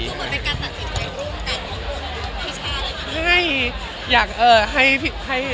ก็เหมือนเป็นการตัดสินใจรุ่นแต่พิชาแล้วกัน